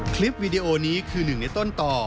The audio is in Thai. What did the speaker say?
คลิปวีดีโอนี้คือหนึ่งในต้นต่อ